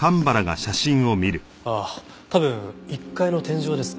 ああ多分１階の天井です。